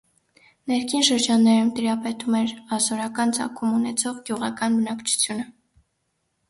Ներքին շրջաններում տիրապետում էր ասորական ծագում ունեցող գյուղական բնակչությունը։